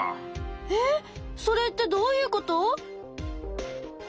えっそれってどういうこと？